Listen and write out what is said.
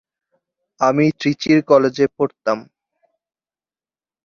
আমি ত্রিচির কলেজে পড়তাম।